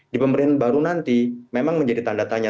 di pemerintahan baru nanti memang menjadi tanda tanya